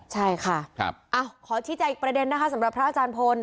ใช่ค่ะขอชี้แจงอีกประเด็นนะคะสำหรับพระอาจารย์พล